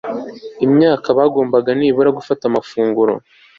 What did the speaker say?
imyaka bagomba nibura gufata amafunguro